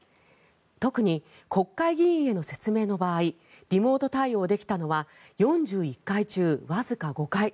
特に国会議員への説明の場合リモート対応できたのは４１回中、わずか５回。